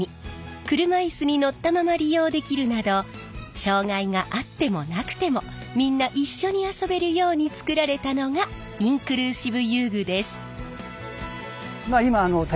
車いすに乗ったまま利用できるなど障がいがあってもなくてもみんな一緒に遊べるように作られたのがインクルーシブ遊具です。